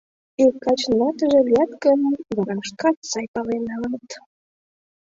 Ик качын ватыже лият гын, вара шкат сай пален налат.